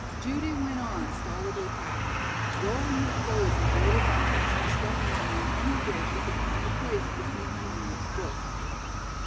Judy went on stolidly packing, rolling her clothes into little bundles and stuffing them in anywhere she could find a place between her numerous books.